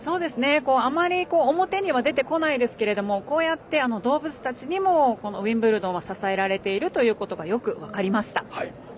あまり表には出てこないですがこうやって動物たちにもウィンブルドンは支えられているということがよく分かりました。